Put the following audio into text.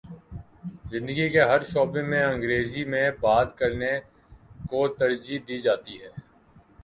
زندگی کے ہر شعبے میں انگریزی میں بات کر نے کو ترجیح دی جاتی ہے